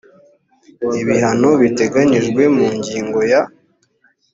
ibihano biteganyijwe mu ngingo ya